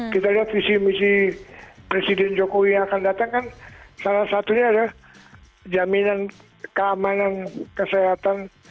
kita lihat visi misi presiden jokowi yang akan datang kan salah satunya adalah jaminan keamanan kesehatan